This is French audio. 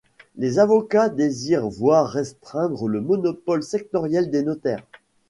Les avocats désirent voir restreindre le monopole sectoriel des notaires.